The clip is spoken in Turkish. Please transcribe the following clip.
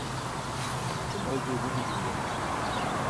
Kim olduğumu bilmiyorum.